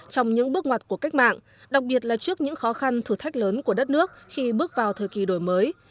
trong những bước ngoặt của cách mạng đặc biệt là trước những khó khăn thử thách lớn của đất nước khi bước vào thời kỳ đổi mới